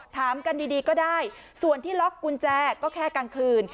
ถามกันดีก็ได้ส่วนที่ล็อกกุญแจก็แค่กลางคืน